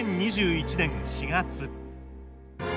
２０２１年４月。